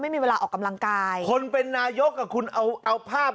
ไม่มีเวลาออกกำลังกายคนเป็นนายกอ่ะคุณเอาเอาภาพ